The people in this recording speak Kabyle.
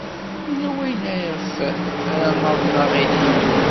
Yella wayen ayɣef ara naḍen aɣilif?